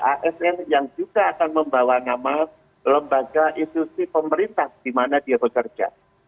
asn yang juga akan membawa nama lembaga institusi pemerintah di mana dia bekerja